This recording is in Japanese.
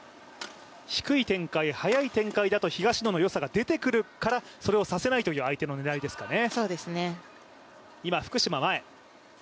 低い展開、速い展開だと東野の良さが出てくるから、それをさせないという相手側の狙いですね。